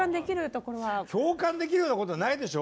共感できるようなことないでしょ？